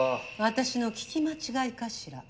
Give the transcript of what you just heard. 私の聞き間違いかしら？